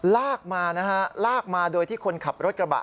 ลากมานะฮะลากมาโดยที่คนขับรถกระบะ